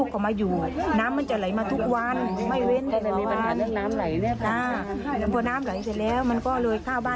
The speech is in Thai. แค่เนี่ยน้ำก่อนก็ได้ค่ะ